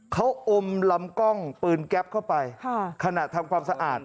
เขาอมลำกล้องปืนแก๊ปเข้าไปขณะทำความสะอาด